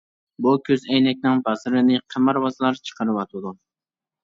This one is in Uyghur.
بۇ كۆز ئەينەكنىڭ بازىرىنى قىمارۋازلار چىقىرىۋاتىدۇ.